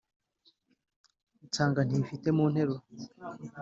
nsanga ntifite mu nteruro,